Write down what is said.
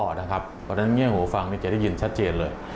เพราะฉะนั้นเงี่ยหูฟังจะได้ยินชัดเจนเลย